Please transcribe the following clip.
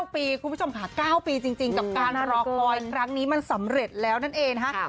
๙ปีคุณผู้ชมค่ะ๙ปีจริงกับการรอคอยครั้งนี้มันสำเร็จแล้วนั่นเองนะคะ